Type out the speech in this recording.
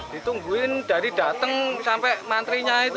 ditungguin dari datang sampai mantrinya itu